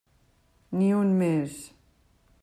Ni un més.